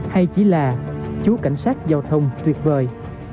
hay chỉ là chú cảnh sát giao thông tuyệt vời